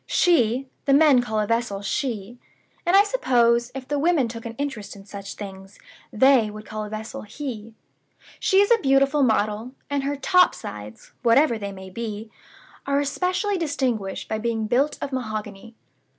She (the men call a vessel 'She'; and I suppose, if the women took an interest in such things, they would call a vessel 'He') she is a beautiful model; and her 'top sides' (whatever they may be) are especially distinguished by being built of mahogany.